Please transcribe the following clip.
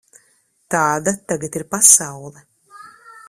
Tāda tagad ir pasaule.